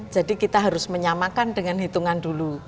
kita harus menyamakan dengan hitungan dulu